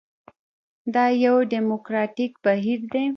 دا یو ډیموکراټیک بهیر دی.